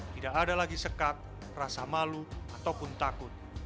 tidak ada lagi sekat rasa malu ataupun takut